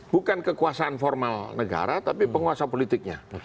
bukan kekuasaan formal negara tapi penguasa politiknya